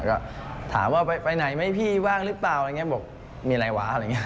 แล้วก็ถามว่าไปไหนไหมพี่ว่างรึเปล่าพี่มีอะไรวะ